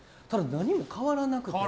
何も変わらなくて。